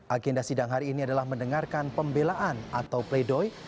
agenda sidang hari ini adalah mendengarkan pembelaan atau pleidoy